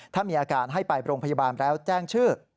ถ้ามีอาการให้ไปโรงพยาบาลแล้วแจ้งชื่อ